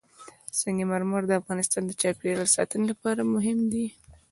سنگ مرمر د افغانستان د چاپیریال ساتنې لپاره مهم دي.